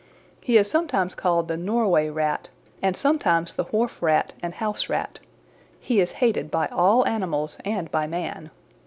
He is sometimes called the Norway Rat and sometimes the Wharf Rat and House Rat. He is hated by all animals and by man.